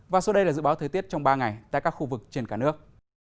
và sau đây là dự báo thời tiết trong ba ngày tại các khu vực trên cả nước